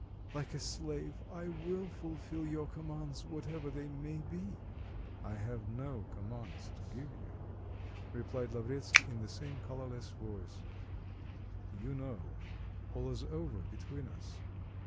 Like a slave I will fulfil your commands whatever they may be." "I have no commands to give you," replied Lavretsky in the same colourless voice; "you know, all is over between us...